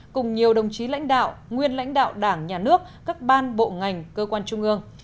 cùng nhiều đồng chí lãnh đạo nguyên lãnh đạo đảng nhà nước các ban bộ ngành cơ quan trung ương